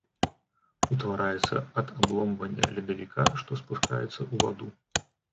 Утвараецца ад абломвання ледавіка, што спускаецца ў ваду.